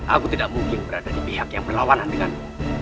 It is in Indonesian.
aku tidak mungkin berada di pihak yang berlawanan denganmu